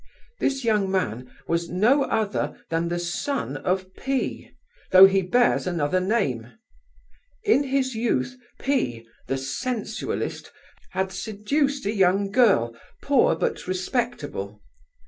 This young man was no other than the son of P——, though he bears another name. In his youth P——, the sensualist, had seduced a young girl, poor but respectable.